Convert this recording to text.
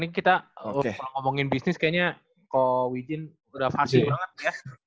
nah ini kita kalo ngomongin bisnis kayaknya ko wijin udah fase banget ya